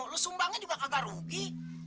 lo sumbangnya juga kagak rugi